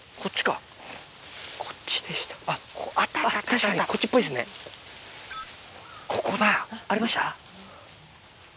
こっちでした？ありました？